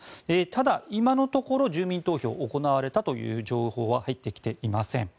ただ今のところ住民投票が行われたという情報は入ってきていません。